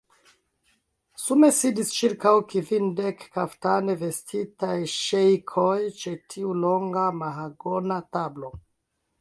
Sume sidis ĉirkaŭ kvindek kaftane vestitaj ŝejkoj ĉe tiu longa mahagona tablo.